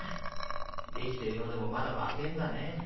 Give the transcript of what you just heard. できてるようでもまだ若えんだね。